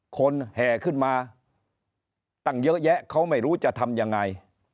แห่ขึ้นมาตั้งเยอะแยะเขาไม่รู้จะทำยังไง